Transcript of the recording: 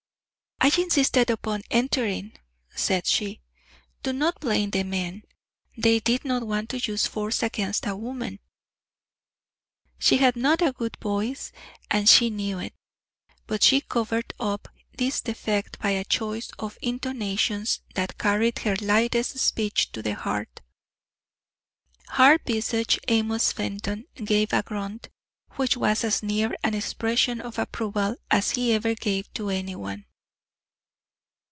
"I insisted upon entering," said she. "Do not blame the men; they did not want to use force against a woman." She had not a good voice and she knew it; but she covered up this defect by a choice of intonations that carried her lightest speech to the heart. Hard visaged Amos Fenton gave a grunt, which was as near an expression of approval as he ever gave to anyone.